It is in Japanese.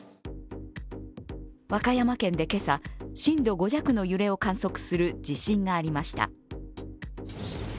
和歌山県で今朝、震度５弱の揺れを観測する地震がありました。